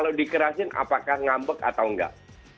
kalau dikerasin apakah ngambek atau enggak